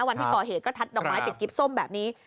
วันที่ก่อเหตุก็ทัดดอกไม้ติดกิ๊บส้มแบบนี้